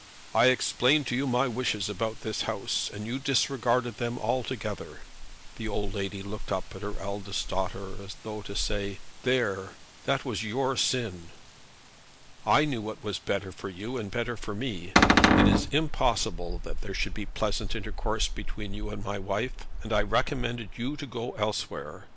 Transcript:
"I explained to you my wishes about this house, and you disregarded them altogether." The old lady looked up at her eldest daughter as though to say, "There, that was your sin." "I knew what was better for you and better for me. It is impossible that there should be pleasant intercourse between you and my wife, and I recommended you to go elsewhere.